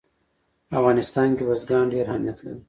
په افغانستان کې بزګان ډېر اهمیت لري.